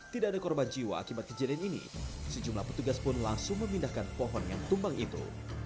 tidak ada korban jiwa akibat kejadian ini sejumlah petugas pun langsung memindahkan pohon yang tumbang itu